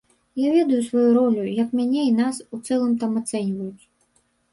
Я ведаю сваю ролю, як мяне і нас у цэлым там ацэньваюць.